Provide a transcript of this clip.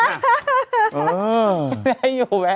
ไม่ได้อยู่แม่